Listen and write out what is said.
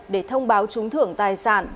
để thông báo chúng thưởng tài sản